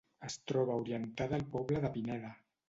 Es troba orientada al poble de Pineda.